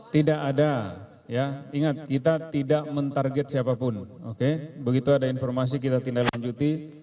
tidak ada ya ingat kita tidak mentarget siapapun oke begitu ada informasi kita tindak lanjuti